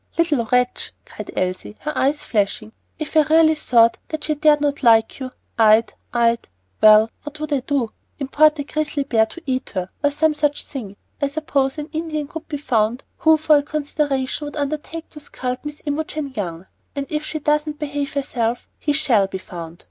"Little wretch!" cried Elsie, with flashing eyes. "If I really thought that she dared not to like you, I'd I'd , well, what would I do? import a grisly bear to eat her, or some such thing! I suppose an Indian could be found who for a consideration would undertake to scalp Miss Imogen Young, and if she doesn't behave herself he shall be found.